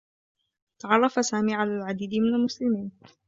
تعرّف سامي على العديد من المسلمين.